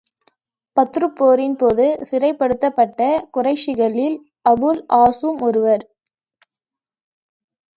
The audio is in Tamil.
பத்ருப் போரின் போது சிறைப்படுத்தப்பட்ட குறைஷிகளில் அபுல் ஆஸூம் ஒருவர்.